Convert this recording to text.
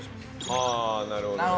ああなるほどね。